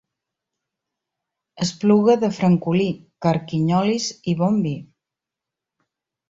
Espluga de Francolí, carquinyolis i bon vi.